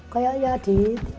kayak ya di